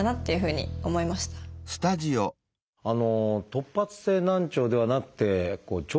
突発性難聴ではなくて聴